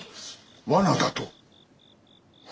罠だと？